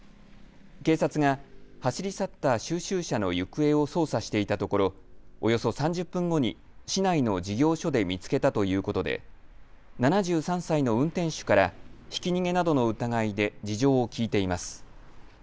警察が走り去った収集車の行方を捜査していたところおよそ３０分後に市内の事業所で見つけたということで７３歳の運転手からひき逃げなどの疑いで事情を聴いています。